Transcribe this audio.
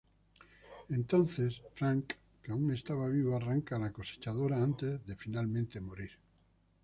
Entonces, Frank, que aún está vivo, arranca la cosechadora antes de finalmente morir.